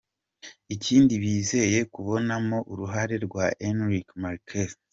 Ikindi bizeye kubonamo uruhare rwa Enrique Marquez Jr.